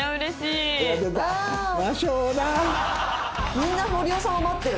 みんな堀尾さんを待ってる。